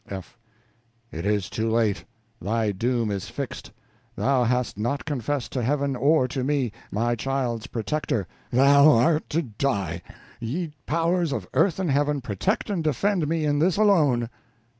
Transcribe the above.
F. It is too late, thy doom is fixed, thou hast not confessed to Heaven or to me, my child's protector thou art to die. Ye powers of earth and heaven, protect and defend me in this alone.